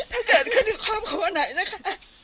ถ้าเกิดขึ้นความความหนักนะคะ